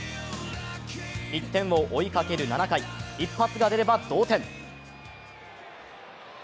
１点を追いかける７回一発が出れば同点。